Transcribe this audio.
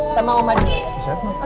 sama oma dulu